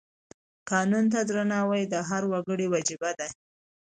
قانون ته درناوی د هر وګړي وجیبه ده.